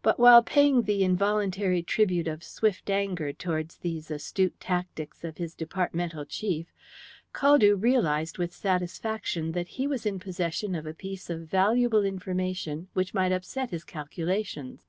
But while paying the involuntary tribute of swift anger towards these astute tactics of his departmental chief, Caldew realized with satisfaction that he was in the possession of a piece of valuable information which might upset his calculations.